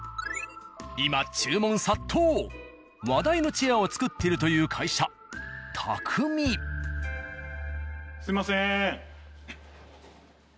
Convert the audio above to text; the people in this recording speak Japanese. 今注文殺到話題のチェアを作っているという会社あっすいません。